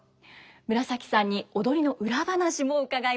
紫さんに踊りの裏話も伺います。